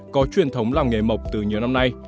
có truyền thống làng nghề mộc từ nhiều năm nay